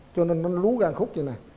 cho nên nó lú ra một khúc như thế này